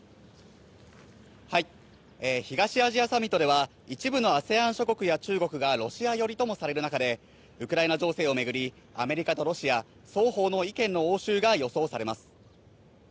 東アジアサミットでは、一部のＡＳＥＡＮ諸国や中国がロシア寄りとされる中、ウクライナ情勢をめぐり、アメリカとロシア双方の意見の応酬が予想されます。